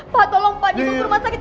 pak tolong pak di rumah sakit